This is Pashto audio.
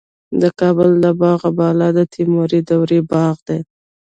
د کابل د باغ بالا د تیموري دورې باغ دی